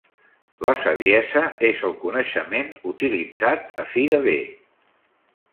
La saviesa és el coneixement utilitzat a fi de bé.